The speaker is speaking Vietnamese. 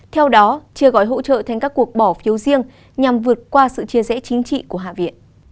theo đó chưa gói hỗ trợ thành các cuộc bỏ phiếu riêng nhằm vượt qua sự chia rẽ chính trị của hạ viện